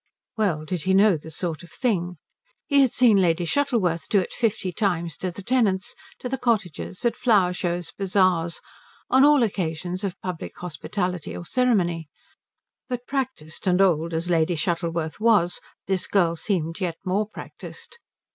Well did he know the sort of thing. He had seen Lady Shuttleworth do it fifty times to the tenants, to the cottagers, at flower shows, bazaars, on all occasions of public hospitality or ceremony; but practised and old as Lady Shuttleworth was this girl seemed yet more practised.